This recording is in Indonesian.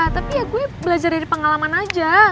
tapi ya gue belajar dari pengalaman aja